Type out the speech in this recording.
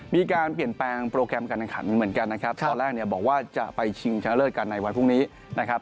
มีการเปลี่ยนแปลงโปรแกรมการแข่งขันเหมือนกันนะครับตอนแรกเนี่ยบอกว่าจะไปชิงชนะเลิศกันในวันพรุ่งนี้นะครับ